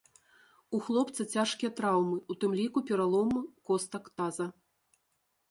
У хлопца цяжкія траўмы, у тым ліку пералом костак таза.